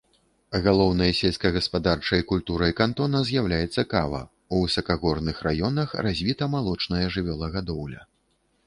Галоўнай сельскагаспадарчай культурай кантона з'яўляецца кава, у высакагорных раёнах развіта малочная жывёлагадоўля.